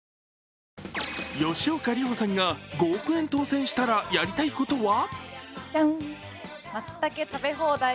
吉岡里帆さんが５億円当選したらやりたことは？